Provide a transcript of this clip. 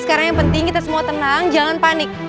sekarang yang penting kita semua tenang jangan panik